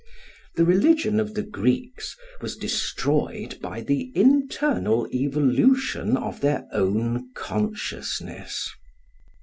The religion of the Greeks was destroyed by the internal evolution of their own consciousness.